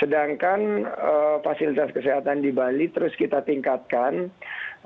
sedangkan fasilitas kesehatan di bali terus kita tinggal di batu prison